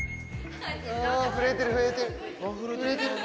震えてる、震えてる。